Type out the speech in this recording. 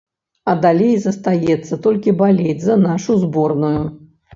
А далей застаецца толькі балець за нашу зборную.